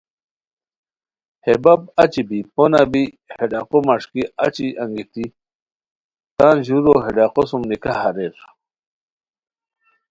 ہے بپ اچی بی پونہ بی ہے ڈاقو مݰکی اچی انگیتی تان ژورو ہے ڈاقو سوم نکاح اریر